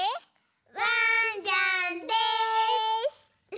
ワンジャンです！